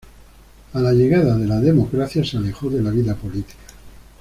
A la llegada de la democracia se alejó de la vida política.